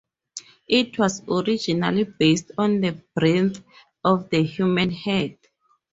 It was originally based on the breadth of a human hand.